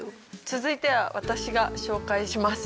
続いては私が紹介します。